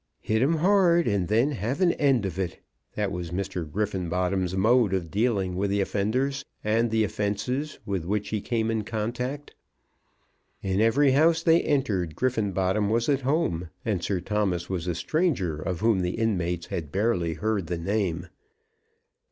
"Hit him hard, and then have an end of it!" That was Mr. Griffenbottom's mode of dealing with the offenders and the offences with which he came in contact. In every house they entered Griffenbottom was at home, and Sir Thomas was a stranger of whom the inmates had barely heard the name.